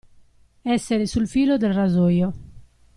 Essere sul filo del rasoio.